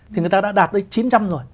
thì người ta đã đạt đến chín trăm linh rồi